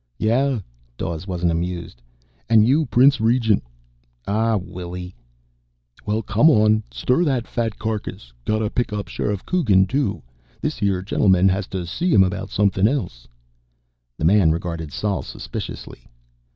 "Yeah." Dawes wasn't amused. "And you Prince Regent." "Aw, Willie " "Well, come on. Stir that fat carcass. Gotta pick up Sheriff Coogan, too. This here gentleman has to see him about somethin' else." The man regarded Sol suspiciously.